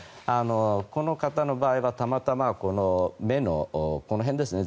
この方の場合はたまたま目のこの辺ですね